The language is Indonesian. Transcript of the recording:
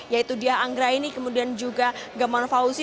yaitu diah anggraini kemudian juga gamaun fauzi